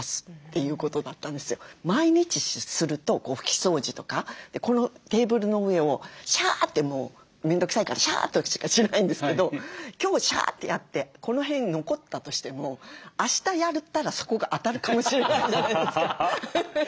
毎日すると拭き掃除とかこのテーブルの上をシャーッて面倒くさいからシャーッとしかしないんですけど今日シャーッてやってこの辺残ったとしてもあしたやったらそこが当たるかもしれないじゃないですか。